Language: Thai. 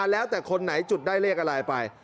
แล้วแต่คนไหนจุดได้เลขอะไรไป